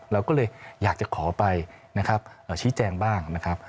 เราก็เลยอยากจะขอไปนะครับชี้แจงบ้างนะครับ